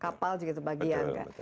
kapal juga itu bagian kan